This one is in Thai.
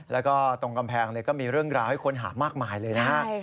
แล้วก็ตรงกำแพงก็มีเรื่องราวให้ค้นหามากมายเลยนะฮะ